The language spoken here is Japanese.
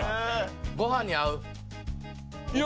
ご飯に合う？いや。